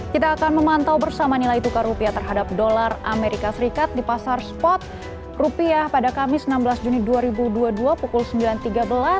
kita akan memantau bersama nilai tukar rupiah terhadap dolar amerika serikat di pasar spot rupiah pada kamis enam belas juni dua ribu dua puluh dua pukul sembilan tiga belas